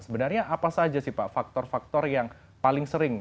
sebenarnya apa saja sih pak faktor faktor yang paling sering